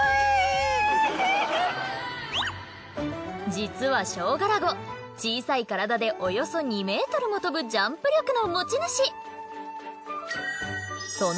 実はショウガラゴ小さい体でおよそ２メートルも跳ぶジャンプ力の持ち主。